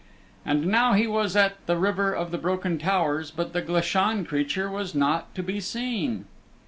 And now he was at the River of the Broken Towers but the Glashan creature was not to be seen.